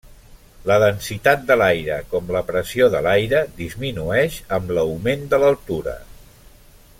La densitat de l'aire, com la pressió de l'aire, disminueix amb l'augment de l'altura.